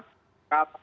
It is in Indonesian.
ada masyarakat yang